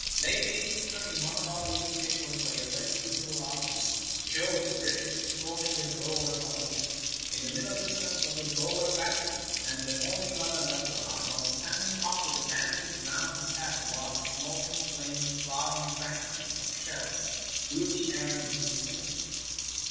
Lately a picture in one of our leading papers, by a very capable artist, showed the British storming a Boer position. In the middle distance was a Boer battery, and the only gunner left alive was standing up with a band age round his head, while smoke and flame and flying fragments of shells filled the air in his vicinity.